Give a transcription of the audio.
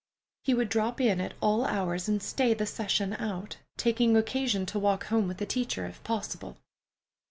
He would drop in at all hours, and stay the session out, taking occasion to walk home with the teacher, if possible.